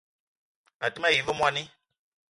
A te ma yi ve mwoani